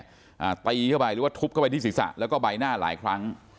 อ่าตีเข้าไปหรือว่าทุบเข้าไปที่ศีรษะแล้วก็ใบหน้าหลายครั้ง